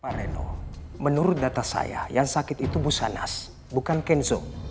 pak reno menurut data saya yang sakit itu busanas bukan kenzo